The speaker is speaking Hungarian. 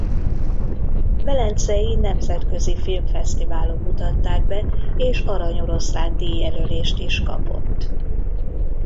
Velencei Nemzetközi Filmfesztiválon mutatták be és Arany Oroszlán díj-jelölést is kapott.